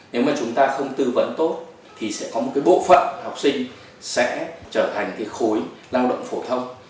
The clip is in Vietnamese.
nếu mà chúng ta không tư vấn tốt thì sẽ có một cái bộ phận học sinh sẽ trở thành cái khối lao động phổ thông